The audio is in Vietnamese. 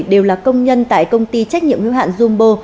đều là công nhân tại công ty trách nhiệm nguyên hạn jumbo